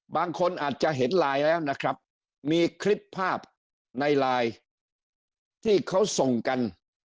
บางคนอาจจะเห็นไลน์แล้วนะครับมีคลิปภาพในไลน์ที่เขาส่งกัน